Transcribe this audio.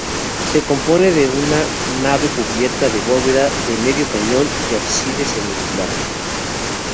Se compone de una nave cubierta de bóveda de medio cañón y ábside semicircular.